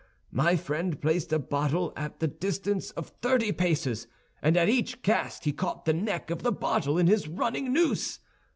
My friend placed a bottle at the distance of thirty paces, and at each cast he caught the neck of the bottle in his running noose.